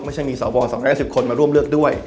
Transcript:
ไม่ใช่มีสว๒๑๐คนมาร่วมเลือกด้วย